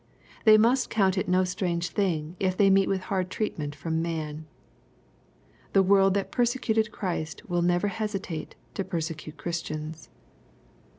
They must count it no strange thing, if they meet with hard treatment from man. The world that persecuted Christ will txcver hesitate, to persecute Christians.